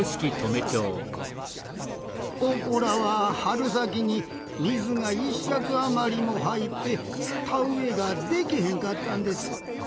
ここらは春先に水が１尺余りも入って田植えがでけへんかったんです。